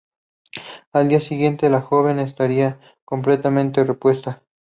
Al día siguiente la joven estará completamente repuesta.